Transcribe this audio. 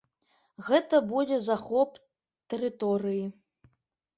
Гэта будзе захоп тэрыторыі.